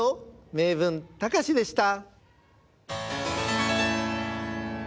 「名文たかし」でした。